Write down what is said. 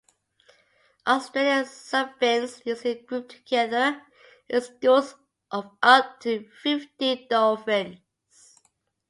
Australian snubfins usually group together in schools of up to fifteen dolphins.